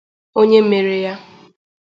onye mere ya